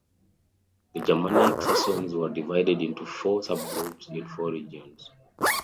The Germanic Saxons were divided into four subgroups in four regions.